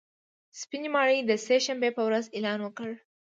سپینې ماڼۍ د سې شنبې په ورځ اعلان وکړ